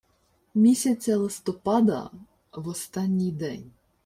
Місяця листопада, в останній день